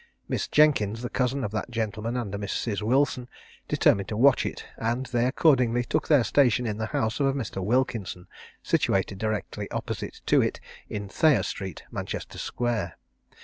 Miss Jenkins the cousin of that gentleman, and a Mrs. Wilson, determined to watch it, and they accordingly took their station in the house of a Mr. Wilkinson, situated directly opposite to it, in Thayer street, Manchester square.